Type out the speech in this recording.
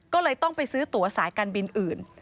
ก็เลยต้องไปซื้อตัวสายการบินอื่น